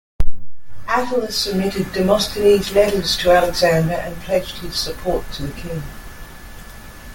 Attalus submitted Demosthenes' letters to Alexander and pledged his support to the king.